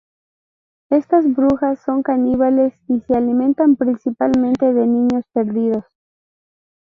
Estas brujas son caníbales y se alimentan principalmente de niños perdidos.